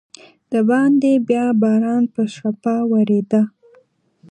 دباندې بیا باران په شړپا ورېده.